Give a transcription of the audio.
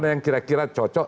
yang kira kira cocok